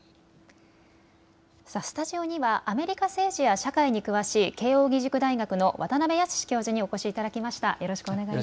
スタジオにはアメリカ政治や社会に詳しい慶應義塾大学の渡辺靖教授にお越しいただきました。